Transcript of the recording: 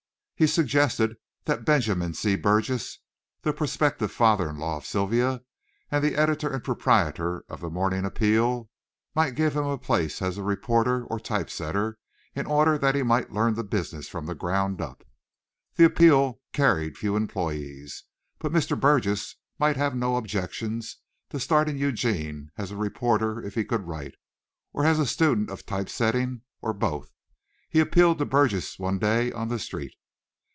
He suggested that Benjamin C. Burgess, the prospective father in law of Sylvia and the editor and proprietor of the Morning Appeal, might give him a place as a reporter or type setter in order that he might learn the business from the ground up. The Appeal carried few employees, but Mr. Burgess might have no objections to starting Eugene as a reporter if he could write, or as a student of type setting, or both. He appealed to Burgess one day on the street.